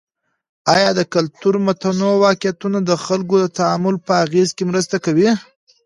آیا د کلتور متنوع واقعيتونه د خلګو د تعامل په اغیز کي مرسته کوي؟